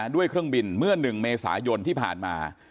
ด้วยเครื่องบินเมื่อ๑เมษายนที่ผ่านมา